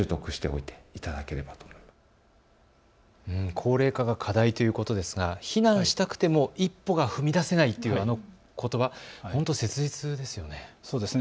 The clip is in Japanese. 高齢化が課題ということですが避難したくても一歩が踏み出せないというあのことば、ほんと切実ですよね。